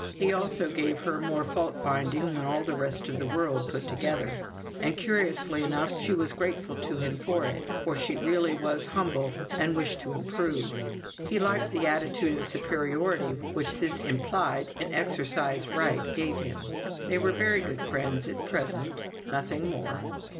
He also gave her more fault finding than all the rest of the world put together; and, curiously enough, she was grateful to him for it, for she really was humble and wished to improve. He liked the attitude of superiority which this implied and exercised right gave him. They were very good friends at present. Nothing more.